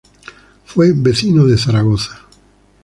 Fue vecino de Zaragoza.